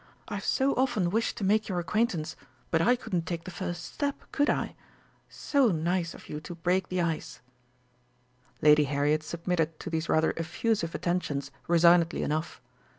I've so often wished to make your acquaintance, but I couldn't take the first step, could I? So nice of you to break the ice!" Lady Harriet submitted to these rather effusive attentions resignedly enough.